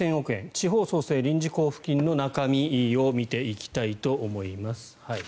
地方創生臨時交付金の中身を見ていきたいと思います。